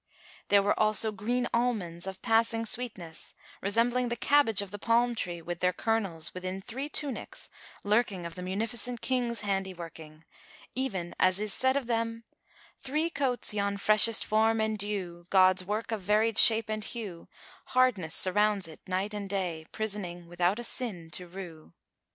There were also green almonds of passing sweetness, resembling the cabbage[FN#398] of the palm tree, with their kernels within three tunics lurking of the Munificent King's handiworking, even as is said of them, "Three coats yon freshest form endue * God's work of varied shape and hue: Hardness surrounds it night and day; * Prisoning without a sin to rue."